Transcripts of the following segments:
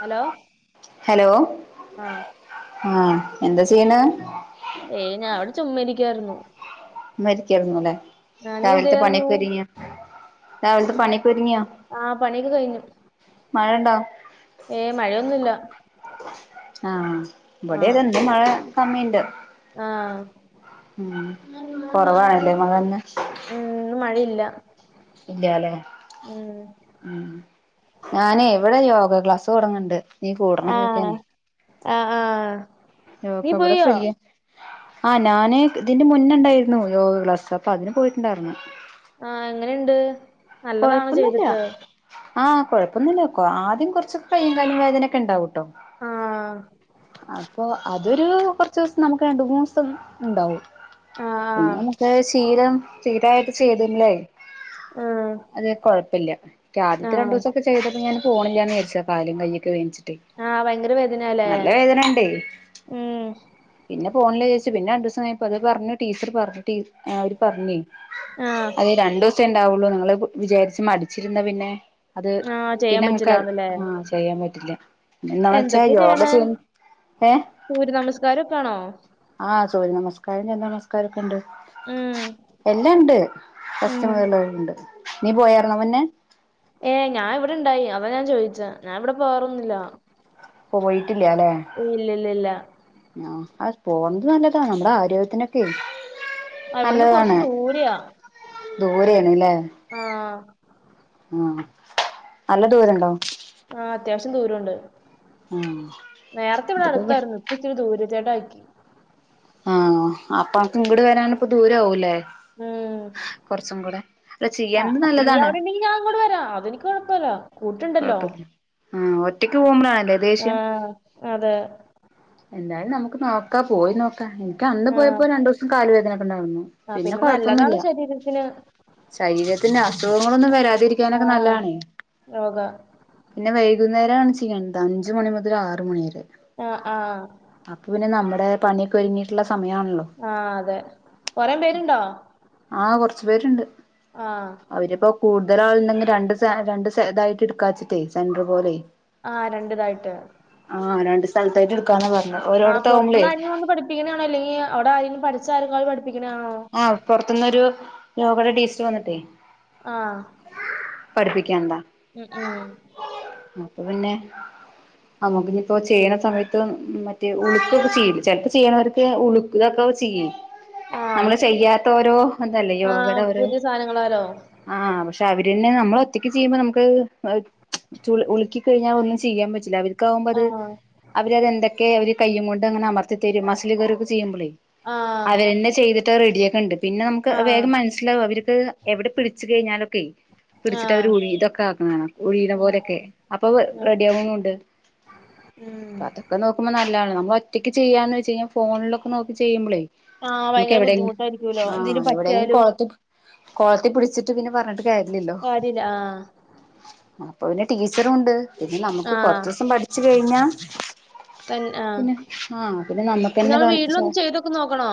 Hello hello ആഹ് ആഹ് എന്താ ചെയ്യണേ? ഏയ് ഞാൻ അവിടെ ചുമ്മരിക്കായിരുന്നു [unintelligible] അല്ലേ നീ എന്ത് രാവിലത്തെ ചെയ്യായിരുന്നു പണിയൊക്കെ ഒരുരുങ്ങിയ രാവിലത്തെ പണിയക്കരുങ്ങിയാ ആഹ് പണിയൊക്ക്‌ കഴിഞ്ഞു ഉണ്ടോ ഏ മഴയൊന്നുഇല്ല ആഹ് ഇവിടെ ഇതെന്ത് മഴ കമ്മിണ്ട് ആഹ് ഉ കൊറവായല്ലേ അ തന്നെ ഉം ഇന്ന് മഴയില്ല ഇല്ലല്ലേ ഉം ഉ ഞാനേ എവിടെ യോഗ ക്ലാസ്സ് തുടങ്ങണ്ട് നീ ആഹ് കൂടണോന്നൊക്കെയാണേ അ ആഹ് നീ പോയോ യോഗഅവടെഫ്രീയാ ആഹ് നാന് ഇതിന്റെ മുന്നേണ്ടായിരുന്ന് യോഗക്ലാസ് അപ്പഅതിന് പോയിട്ടുണ്ടായിരുന്നു ആ എങ്ങനെണ്ട് നല്ലതാണോ കൊഴപ്പൊന്നല്ല്യാ ചെയ്തിട്ട് ആഹ് കൊഴപ്പൊന്നല്ല്യാ ആദ്യം കുറച്ചൊക്കെ കയ്യും കാലും വേദനൊക്കെണ്ടാവും ട്ടോ ആഹ് ആഹ് പ്പോ അതൊരു കൊറചോസം നമുക്ക് രണ്ട് മൂന്നൂസം ഇണ്ടാവും ആഹ് പിന്നെ ആഹ് മ്മക്ക് ശീലം സ്ഥിരായിട്ട് ചെയ്തില്ലേ ഉം അതെ കൊഴപ്പല്യാ ആദ്യത്തെ രണ്ടുസൊക്കെ ചെയ്തപ്പോ ഞ് ഞാന് പോണീല്ല്യാന്നിചാരിച്ചാ കാലും കയ്യൊക്കെ വേനിച്ചിട്ട് ആഹ് ഭയങ്കര വേദനയാല്ലേ ട്ട് നല്ല വേദന്ണ്ടേ ഉം പിന്നെപോണില്ല്യാന്ന് വിചാരിച് പിന്നെരണ്ടൂസം കയിഞ്ഞപ്പോഅത് പറഞ്ഞു ടീച്ചർപറഞ്ഞടീഅവര് പറഞ്ഞേ ആഹ് അതെരണ്ടൂസെണ്ടാവൊള്ളൂ നമ്മളെ വിചാച്ചു മടിച്ചിരിന്നാ പിന്നെ ആഹ് ചെയ്യാൻ അത്പിന്നെങ്ങക്ക പറ്റില്ലാന്നല്ലേ ആഹ് ചെയ്യാൻപറ്റില്ല്യാ ന്നാവെച്ചാ യോഗ ചെയ്യ് ഏഹ് സൂര്യനമസ്കാരൊക്കണോ ആഹ്സൂര്യനമസ്കാരം ചന്ദ്രനമസ്കാരോക്കെണ്ട് ഉം എല്ലാണ്ട് ഉം [unintelligible] ഇണ്ട് നീ പോയാരുന്നോ മുന്നെ ഏഹ് ഞാൻ ഇവിടെണ്ടായി അവഞാൻ ചോയിച്ചാ ഞാൻ ഇവിടെ പോവാറൊന്നില്ല്യ പോയിട്ടില്യാല്ലേ ഇല്ല്യ ഇല്ല ഇല്ല ആഹ് അത് പോണത് നല്ലതാണ് നമ്മടെ ആരോഗ്യത്തിനൊക്കെ ആ, ഇവിടുന്ന് കുറച്ച് നല്ലതാണ് ദൂരെയാ ദൂരേണ് ലെ ആഹ് ആഹ് നല്ലദൂരണ്ടോ ആഹ് അത്യാവശ്യം ദൂരൊണ്ട് ആഹ് നേരത്തെ ഇവിടെ അടുത്തായിറുന്നു ച്ചിരിദൂരജടാക്കി ആഹ് അപ്പനക്ക്ഇങ്ങട് വരാന്ഇപ്പ ദൂരവൂല്ലേ ഉം കൊർച്ചുംകൂടെ ആ ചെയ്യേണ്ട് നല്ലതാണ് കൊഴപ്പല്ല കൊഴപ്പല്യാ ആഹ് ആ ഒറ്റക്ക്പോവുമ്പഴാണല്ലേദേഷ്യം അതെ എന്തായാലുംനമുക്ക്നോക്കാ പോയിനോക്കാ എനിക്ക് അന്ന് ആ പോയപ്പോ രണ്ടുസം കാല് വേദനക്കൊണ്ടായിരുന്നു ആ പിന്നെ നല്ലതാണ് ശരീരത്തിന് ശരീരത്തിന്അസുഖങ്ങളൊന്നും ആ വാരാതിരിക്കാനൊക്കെനല്ലതാണേ യോഗ പിന്നെ വൈകുന്നേരാണ് ചെയ്യൺത് അഞ്ചുമണിമുതല് ആറ്മണിവരെ ആഹ് ആഹ് അപ്പൊപിന്നെ നമ്മടെ പണിയൊക്കെഒരുങ്ങിയിട്ട്ള്ള സമയമാണല്ലോ ആഹ്അതെ കൊറേപ്പേരൂണ്ടാ ആ കൊർച്ച്പേര്ണ്ട് ആഹ് അവരിപ്പോ കൂടുതലാള്ണ്ടെങ്കെ രണ്ടസെ രണ്ട് സെതായിട്ടിട്ക്കാച്ചിട്ടേ സെന്റർ പോലെ ആ രണ്ടിതായിട്ട് ആഹ് രണ്ട്സ്ഥലത്തായിറ്റെടുക്കാന്നാ പറഞ്ഞത് ഓരോട്താവുമ്പളെ പിന്നെന്നാണെങ്കിലീ അവിടെരെങ്കിലുംപടിച്ചള്ക്കാര് പഠിപ്പിക്കനാണോ ആഹ് പൊറുത്തൊന്നൊരു യോഗടെ ടീച്ചർവന്നിട്ടേ ആഹ് പഠിപ്പിക്ക്യാന്താ ആഹ് ആഹ് അപ്പോപ്പിന്നെ നമ്മക്ക ഇനിയിപ്പോ ചെയ്യണ സമയത്ത് മറ്റേ ഉളുക്കൊക്കെ ചെയ്യും ചിലപ്പോ ചെയ്യണവർക്ക് ഉളുക്ക് ഇതൊക്കെ ചെയ്യും ആ നമ്മള് ചെയ്യാത്ത ഓരോ ഇന്തല്ലേ ആഹ് യോഗയുടെ ഒരു പുതിയ സാധനങ്ങളാലോ ആഹ് പക്ഷെ അവര്ന്നെ നമ്മള ഒത്തക്ക് ചെയ്യുമ്പോ നമുക്ക് ഉളുക്കി കഴിഞ്ഞാൽ ഒന്നും ചെയ്യാൻ പറ്റില്ല അവര് ക ആവുമ്പോ അത് ആഹ് അവര്ത് എന്തൊക്കെ അവര് കയ്യും കൊണ്ട് അങ്ങനെ അമർത്തി തരും മസിൽ കയറൊക്കെ ചെയ്യുമ്പോളേ ആഹ് അതന്നെ ചെയ്തിട്ട് റെഡിയെക്ക ഉണ്ട് പിന്നെ നമുക്ക് ആഹ് വേഗം മനസ്സിലാവും അവർക്ക് എവിടെ പിടിച്ചു കഴിഞ്ഞാലൊക്കെ പിടിച്ചിട്ട് ആഹ് അവര് ഉയിന് ഇത് ഒക്കെ ആക്ണാണ ഉഴിയണ ആഹ് പോലെ. യൊക്കെ അപ്പൊ ആഹ് റെഡി ആഹ് ആവുന്നുണ്ട് ഉം അപ്പൊ അതക്ക നോകുമ്പോ നല്ലതാണ് നമ്മൾ ഒറ്റയ്ക്ക് ചെയ്യാന്ന് വെച്ച് കഴിഞ്ഞാ ഫോണിലൊക്കെ നോക്കി ചെയ്യുമ്പോളേയ് ആഹ് ഭയങ്കര എവിടെും ബുദ്ധിമുട്ടായിരിക്കൂലോ ആ എന്തേലും എവിടെങ്കും പറ്റിയാലും കൊളത്തി കോളത്തി പിടിച്ചിട്ട് പിന്നെ പറഞ്ഞിട്ട് കാര്ല്ലല്ലോ കാര്യല്ല ആഹ് അപ്പൊ പിന്നെ ടീച്ചറുണ്ട് ഇനി നമ്മുക്ക് ആഹ് കൊറച്ച് ദിവസം പഠിച്ചു കഴിഞ്ഞാ തന്നെ ആഹ് പിന്നെ ആഹ് പിന്നെ നമ്മക്ക്ന്നെ കാണിച്ച ഇതൊക്കെ നോക്കണോ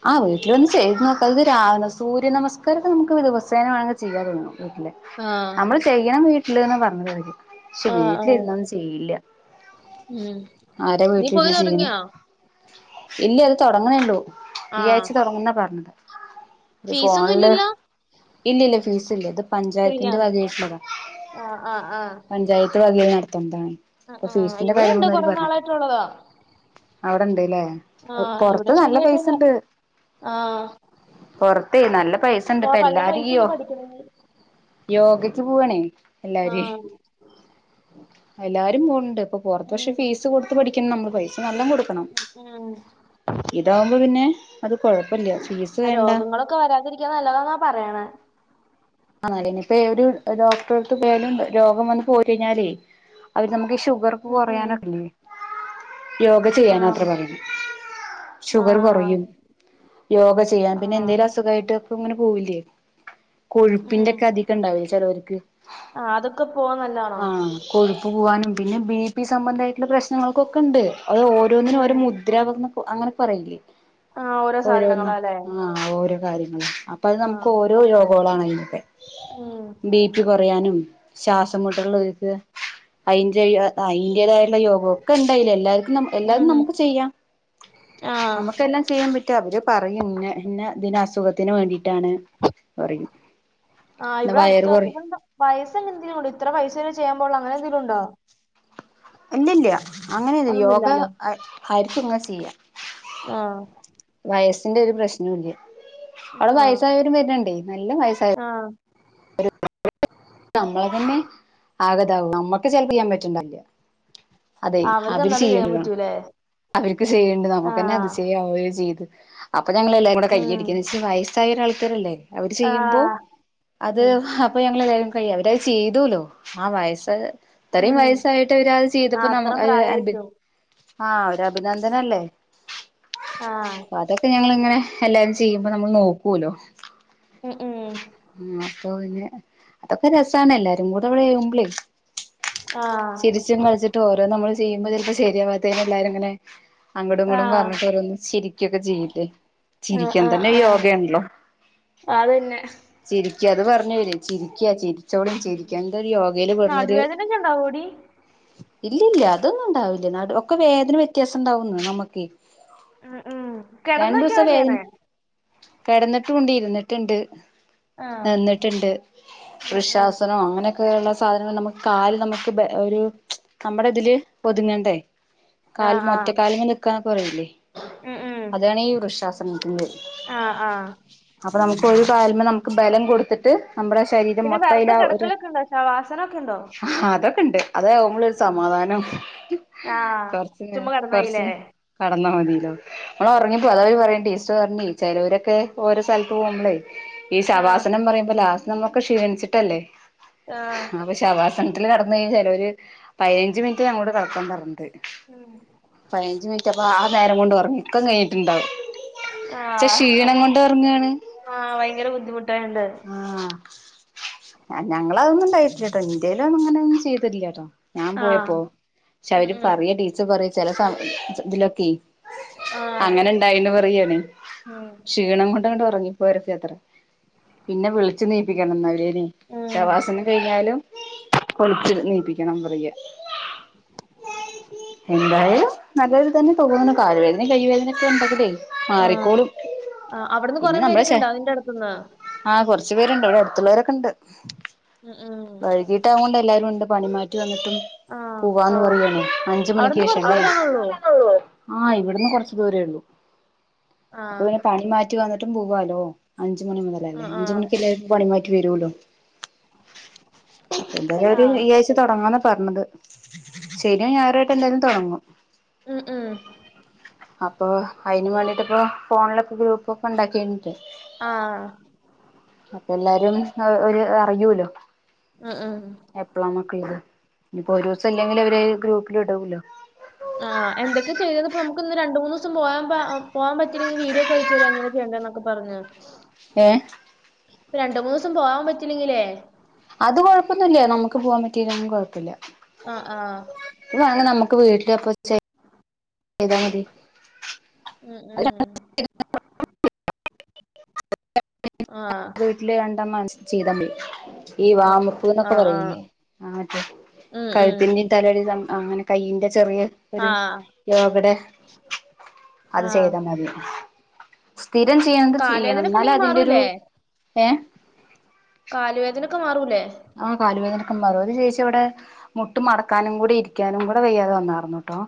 ഉ ആഹ് വീട്ടിലൊന്ന് ചെയ്ത് നോക്ക് ഇത് രാവ സൂര്യനമസ്കാരക്കെ നമുക്ക് വ ദിവസേന വേണേ ചെയ്യാ തോന്നുന്ന് വീട്ടിൽ ആഹ് ചെയ്യണം വീട്ടില്ന്ന് പറഞ്ഞത് അവര് പക്ഷെ ആഹ് ആഹ് വീട്ടിലിരുന്നന്നും ചെയില്ല ഉം ആരാ നീ പോയി വീട്ടിലിന്ന് ചെയ്യണ് തൊടങ്ങിയോ ഇല്ല അത് തുടങ്ങുന്നേള്ളൂ ഈ ആഹ് ആഴ്ച്ച തുടങ്ങുന്നാ പറഞ്ഞത് ഒരു ഫീസൊന്നും ഫോണില് ഇല്ലല്ലോ ഇല്ലല്ല ഫീസ് ഇല്ല ഇത് ഫ്രീയാ പഞ്ചായത്തിന്റെ വകയിട്ടുള്ളതണ് ആഹ് ആഹ് ആഹ് പഞ്ചായത്ത് വകയിൽ നടത്തതാണ് ആഹ് അപ്പൊ ആഹ് ഫീസിന്റെ കാര്യംങ്ങൾ ഇവിടെയുണ്ട് ഒന്നും കൊറേ പറഞ്ഞിട്ടില്ല നാളായിട്ടുള്ളതാ അവിടെ ഇണ്ട് ല്ലേ ആഹ് പൊറത്ത് ഇവിടെ ഫ്രീ നല്ല ആയിട്ട് തന്നെയാ പൈസണ്ട് ആഹ് പൊറത്തെ നല്ല പൈസ ണ്ട്പ്പ ആഹ് നല്ല എല്ലാരും പൈസ ഇത് പഠിക്കണെങ്കി യോഗക്ക് പോവണേ എല്ലാരും ആഹ് എല്ലാരും പോണ്ട് ഇപ്പൊ പുറത്ത് ഉം പക്ഷെ ഫീസ് കൊടുത്ത് പഠിക്ക നമ്മള് പൈസ നല്ല കൊടുക്ക എത്തിനാണ് ഇതാവുമ്പോ പിന്നെ അത് കൊഴപ്പമില്ല ഫീസ് ആ വേണ്ട രോഗങ്ങളൊക്കെ വരാതിരിക്കാ നല്ലതാന്നാ പറയണ ആല്ലേ ഇനി ഇപ്പൊ ഒരു ഡോക്ടറെടുത്ത് പേയാലും രോഗം വന്നന്ന് പോയി കഴിഞ്ഞാലേ അവര് നമുക്ക് ഇ ഷുഗർ ഉം ഉം. കുറയാനെക്കെഇല്ലേ യോഗ ചെയ്യാൻ ആം അത്ര പറയു ഷുഗർ ആഹ് കുറയും യോഗ ചെയ്യാൻ പിന്നെ ആഹ് എന്തേലും അസുഖായിട്ട് ഇങ്ങനെ പോവില്ലേ കൊഴുപ്പിന്റെ ഒക്കെ അധികം ഉണ്ടാവ് ചിചോർക്ക് ആ അതൊക്കെ പോവാൻ നല്ലതാണോ കൊഴുപ്പ് പോവാനും പിന്നെ ബി പി സംബന്ധമായിട്ടുള്ള പ്രശ്നങ്ങൾക്കൊക്കെ ഉണ്ട് അത് ഓരോന്നിനും ഉം ഓരോ മുദ്ര [unintelligible] അങ്ങനെക്കെ പറയേ ആഹ് ഓരോ ഓരോന്ന് സാധനങ്ങളാല്ലേ? ആന് ആ ഓരോ കാര്യങ്ങളും അപ്പൊ അത് നമുക്ക് ആഹ് ഓരോ യോഗകളാണ് അയ്നൊക്കെ ഉം ബി പി കുറയാനും ശ്വാസം മുട്ടലുള്ളവർക്ക് അതിന്റെ അതിന്റേതായട്ടുള്ള യോഗം ഒക്കെ ഉണ്ടായിൽ എല്ലർക്കും ന എല്ലാതു ഉം നമുക്ക് ചെയ്യാം ആഹ് നമുക്ക് എല്ലാം ചെയ്യാൻ പറ്റി അവര് പറയും ഇന്നെ ഇന്നെ ഇതിന അസുഖത്തിന് വേണ്ടിയിട്ടാണ് പറിം ആഹ് ഇവടെ അടുത്ത് ഇവിടെന്ത പൈസയസങ്ങെന്തങ്കിലും ഉണ്ട ഇത്ര പൈസ വരെ ചെയ്യാൻ അങ്ങനെ എന്തങ്കലും ഉണ്ടോ ഇല്ലല്ല അങ്ങനെ യോഗ അതൊന്നുമില്ലാല്ലേ? ആരിക്കും ഇങ്ങനെ ചെയ്യ ആഹ് വയസിന്റെ ഒരു പ്രശ്നും ഇല്ല അവടെ ആഹ് വയസായവരും വരണ്ടേ നല്ല വയസായ ആഹ് നമ്മളെ തന്നെ ആകെ ഇതാകും നമ്മുക്ക് ചെിലപ്പ ചെയ്യാൻ പറ്റ്ണ്ടാവില്ല അതെയ് അവർക്ക് അവര് എന്നാലും ചെയ്യാൻ ചെയ്യേണ്ടല്ലേ പറ്റൂലേ? അവർക്ക് ചെയേണ്ട് നമുക്ക്ന്നെ ആഹ് അതിശയം അവേ ചെയ്ത് അപ്പൊ ഞങ്ങളെല്ലാരും കൂടെ ഉം കയ്യടിക്കല് ശ്ശെ വയസ്സായര് ആൾക്കാരല്ലേ അവര് ചെയ്യുമ്പോ ആഹ് അത് ഉം അപ്പൊ ഞങ്ങൾ അയ അവരത് ചെയ്തുലോ ആ വയസ്സ ഇത്രയും ഉം വയസ്സായിട്ട് ഒരാത് ചെയ്തപ്പോ ആഹ് അത്രയും നമ്മി [unintelligible] പ്രായായിട്ടും ആഹ് ഒ അഭിനന്ദനല്ലേ ആഹ് അതൊക്കെ ഞങ്ങളിങ്ങനെ എല്ലാരും ചെയ്യുമ്പോ നമ്മൾ നോക്കൂല്ലോ ഉം ഉം ആഹ് അപ്പൊ പിന്നെ അതൊക്കെ രസമാണ് എല്ലാരും കൂടെ അവിടെമ്പളി ആഹ് ച്ചും കളിച്ചിട്ട് ഓരോ നമ്മള് ചെയ്യുമ്പോ ചിലപ്പോ ശരിയാവാത്തേന് എല്ലാരുംങ്ങനെ അങ്ങോടും ഇങ്ങോടും ആഹ് പറഞ്ഞിട്ട് ഓരോന്ന് ചിരിക്ക ഒക്കെ ചെയ്യുലെ ആഹ് ചിരിക്കൻ ആഹ് തന്നെ ആഹ് യോഗല്ലോ അതന്നെ ചിരിക്ക അത് പറഞ്ഞു വരും ചിരി ക്ക്യ ചിരിച്ചോടും ചിരിക്കന്തരു യോഗയില് പർഞ്ഞൊര്. നടുവേദനൊക്കെ ഉണ്ടാവോടി ഇല്ലില്ല അതൊന്നും ഉണ്ടാവില്ല നടു ഒക്കെ വേദന വ്യത്യാസം ഉണ്ടാവുന്നു നമ്മക്ക് ഉം ഉം രണ്ടു ദിവസം കിടന്നൊക്കെയാണോ വേദനി ചെയ്യണേ കിടന്നിട്ടുംണ്ട് ഇരുന്നിട്ടുണ്ട് ആഹ് നിന്നിട്ടുണ്ട് ഉം റിഷ ഉം സനോ അങ്ങനെയൊക്കെയ ഉള്ള സാധനങ്ങൾ നമുക്ക് കാല് നമുക്ക് ബ ഒരു നമ്മുടെ ഇതില് ഒതുങ്ങണ്ടേ കാൽ ആഹ് ആഹ് ഒറ്റക്കാലി നിക്കാന്നൊക്കെ പറയില്ലേ ഉം ഉം അതാണ് ഈ വൃക്ഷാശനത്തിന്റെ ആഹ് ആഹ് അപ്പൊ നമുക്ക് ഒര് കാലുമ്മേ നമുക്ക് ബലം കൊടുത്തിട്ട് നമ്മുടെ ശരീരം പിന്നെ വെറുതെ മൊത്തയ്ലാ ഒരു കിടക്കലൊക്കെ ഉണ്ടോ ശവാസന ഒക്കെ ഉണ്ടോ ആ അതൊക്കെ ഉണ്ട് അത് നമ്മൾ സമാധാനം ആഹ് കൊറച്ചന് ചുമ്മാ കിടന്നായില്ലേ കൊറച്ചന് കടന്നാൽ മതിയല്ലോ നമ്മള് ഉറങ്ങിപ്പോ അതാഴി പറയേണ്ട ചിലവരൊക്കെ ഓരോ സ്ഥലത്ത് പോകുമ്പളേ ഈ ആഹ് ശവാസനം പറയുമ്പോ ലാ നമ്മുക്ക് ക്ഷീണിച്ചിട്ടല്ലേ ആഹ് ആവശ്യ ശവാസനത്തില് കടന്ന കഴിഞ്ഞാ ചിലര് ഒരു പതിനഞ്ച് മിനിറ്റ് ഞങ്ങോട് കിടക്കാൻ പറഞ്ഞിത് ഉം. പതിനഞ്ച് മിനിറ്റ് അപ്പൊ ആ നേരം കൊണ്ട് ഉറക്കം ഇക്കം കഴിഞ്ഞിട്ടുണ്ടാവും പക്ഷെ ആഹ് ക്ഷീണം കൊണ്ട് ഉറങ്ങാണ് ആഹ് ഭയങ്കര ബുദ്ധിമുട്ടായിണ്ട് ഞങ്ങളതൊന്നുംപയിട്ടില്ല കേട്ടോ ഇന്റയിലങ്ങനൊന്നും ചെയ്തിട്ടില്ലട്ടോ ഞാൻ ആഹ് പോയപ്പോ പക്ഷെ ഉം അവര് ഉം പറയാ ടീച്ചർ പറയ ചില ഇതിലൊക്കെ ആഹ് അങ്ങനെ ഇണ്ടായിന്ന്‌ പറുകണേ ഉം ക്ഷീണം കൊണ്ട്ങ്ങോട്ട് ഉറങ്ങിപ്പോരക്ക അത്ര പിന്നെ വിളിച്ച്നീപ്പിക്കണംന്ന അവരേെ ഉം ശവാസനം കഴിഞ്ഞാലും പൊളിച്ച നീയിപ്പിക്കണം പറയ എന്തായലും നല്ല ര് തന്നെ തോന്നണ് കാലുവേദന കൈ വേദന ഒക്കെ ഉണ്ടങ്കിലെ ആഹ് അവിടുന്ന് കൊറേം പേരൊക്കെ ഇണ്ടാ നിന്റെ അടുത്തുന്ന് ആഹ് കൊറച്ചു പേരുണ്ട് ഇവിടെ അടുത്തുള്ളവരൊക്കെ ഉണ്ട് ഉം ഉം വൈകി ട്ടോണ്ട് എല്ലാരും ഉണ്ട് പണി മാറ്റി വന്നിട്ടും ആഹ് പോവാന്ന് പറയാണ് അഞ്ച് മണിക്ക് അവിടുന്ന് കൊറച്ച് ശേഷല്ലേ ദൂരാണുള്ളൂ ആഹ് ഇവിടുന്ന് കൊറച്ച് ദൂരേ ഉള്ളൂ അപ്പൊ ആഹ് പിന്നെ പണി മാറ്റി റ്റ് വന്നിട്ടും പോകാലോ അഞ്ച് മണി മുതലല്ലേ ആഹ് അഞ്ച ആഹ് മണിക്കെല്ലാരും പണി മാറ്റി വരുൂല്ലോ അപ്പ എന്തായാലും ആഹ് ഈ ആഴ് തുടങ്ങാന്ന പറഞ്ഞത് ശനീം ഞായറുമായിട്ട് എന്താലും തുടങ്ങും ഉം ഉം അപ്പൊ അതിന് വേണ്ടിട്ട് ഇപ്പോ ഫോണിലൊക്കെ ഗ്രൂപ്പ്‌ ഒക്കെ ഉണ്ടാക്കിണ്ടിട്ട് ആഹ് അപ്പ എല്ലാരും ഒരു അറിയൂല്ലോ ഉം ഉം എപ്ലമ്മക്കൊഴിവ് നിപ്പോ ഒരൂസല്ലെങ്കിലുവര് ഗ്രൂപ്പിലിടും ലൊ ആഹ് എന്തൊക്ക ചെയ്ത്പ്പം നമുക്ക് ഇന്ന് രണ്ടു മൂന്നു ദിവസം പോയമ്പ പോവാൻ പറ്റൂലെങ്കിൽ വീഡിയോക്ക അയച്ചരാം എങ്ങനൊക്കെ എന്തന്നെക്ക പറഞ്ഞ് ഹേ ഇപ്പൊ രണ്ടു മൂന്നുസം പോവാൻ പറ്റിലെങ്കിലേ അത് കൊഴപ്പന്നുല്ല നമക്ക് പോവാൻപറ്റീലെങ്കിലും കൊഴപ്പല്യ അഹ് ആഹ് ഇവ്വാന് നമുക്ക് വീട്ട്ലൊക്കെ വെച്ച ചെയ്താ മതി ഉം ഉം ആഹ് [unintelligible] ഈ ആഹ് വാമപ്പ് നൊക്കെ ആഹ് ആഹ് പറയില്ലേ ആഹ് അതെ ഉം ഉം കഴുത്തിന്റെ തലടെം സം അങ്ങനെ കൈയിന്റെ ചെറിയ ഒരു ആഹ് യാ അവിടെ അത് ആഹ് ചെയ്താ മതി സ്ഥിരം ചെയ്യണത് കാല് ചെയ്യണം വേദനൊക്കെ ഇണ്ടെങ്കി ഇന്നാലതിന്റൊരു മാറൂലേ ഏഹ് കാല് വേദനൊക്കെ മാറൂലെ? ആഹ് കാല് വേദനൊക്കെ മാറും ഒരു ചേച്ചി അവ്ടെ മുട്ട് മടക്കാനും കൂടി ഇരിക്കാനും കൂടെ വയ്യാതെ വന്നാർന്നൂട്ടോ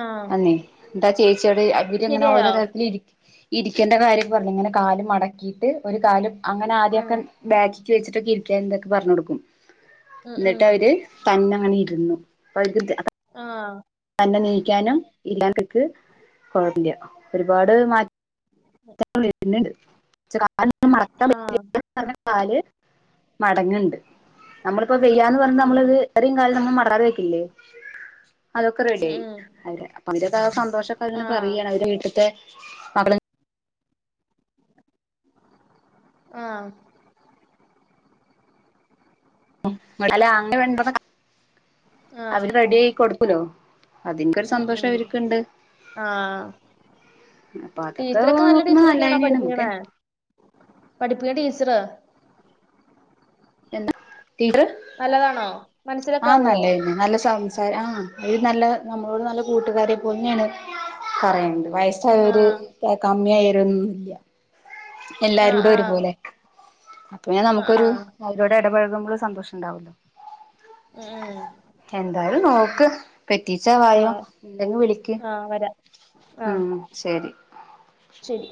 ആഹ് അന്നേ ന്ന്ട്ടാ ചേച്ചിയോട് അവര്ങ്ങനെ ഓരോ ശെരിയായോ തരത്തില് ഇരിക് ഇരിക്കേണ്ട കാര്യം പറഞ്ഞു ഇങ്ങനെ കാലു മടക്കീട്ട് ഒരു കാലു അങ്ങന ആഹ് ആദ്യൊക്കെ ബേക്കിക്ക് വെച്ചിട്ടൊക്കെ ഇരിയ്ക്കാൻതൊക്കെ പറഞ്ഞു കൊടുക്കും ഉം ഉം ന്നിട്ടവര് തന്ന അങ്ങന ഇരുന്നു അപ്പൊ ഇത് ദേ ആഹ് തന്നണീയ്ക്കാനും ഇല്ലാണ്ട്ക്ക് പോവ്ല്യ ഒരുപാട് മാ [unintelligible] പിന്നെ ആഹ് [unintelligible] കാല് മടങ്ങ്ണ്ട് നമ്മള്പ്പോ വെയ്യാന്ന് ഉം പറഞ്ഞ് ഉം നമ്മള്ത് ത്രേം കാലം നമ്മൾ മറാർ വെക്കില്ലേ അതൊക്കെ ഉം റെഡിയായി ഉം [unintelligible] അയിന്റെതായ സന്തോഷം ഒക്കങ്ങനെ ആഹ് പറയാണ് അവരെ വീട്ട്ത്തെ ആഹ് [unintelligible] ആഹ് അവര് റെഡി ആയി കൊടുക്കൂല്ലോ അതിൻകൊരു ഉം സന്തോഷം ഉം അവരുക്കുണ്ട് ആഹ് അപ്പൊ അതൊക്ക ടീച്ചറൊക്കെ നോക്കുമ്പ നല്ല ടീച്ചറൊക്കെയാണോ വേദനേണ് അമ്മക്ക് പഠിപ്പിക്കണേ പഠിപ്പിക്കണ ടീച്ചറാ എന്ത [unintelligible] നല്ലതാണോ ആഹ് മനസ്സിലൊക്കാവോ നല്ലന്നെ നല്ല സംസാര ആഹ് അയ്ൽ നല്ല നമ്മളോട് നല്ല കൂട്ടുകാരെ പൊന്ന്യാണ് പറയേണ്ടെ വയസായവര് ആഹ് ക കമ്മ്യായവരൊന്നൂല്യ ആഹ് എല്ലാരോടൊരു ആഹ് പോലെ അപ്പൊ ആഹ് നമുക്കൊരു ആഹ് അവരോടടപെഴുകുമ്പോൾ സന്തോഷണ്ടാവല്ലോ ഉം എന്തായാലും നോക്ക് പെറ്റീച്ച ഉം വായോ ആഹ് ണ്ടെങ്കിൽ വിളിയ്ക്ക് ആഹ് വരാ ഉം ശരി ശരി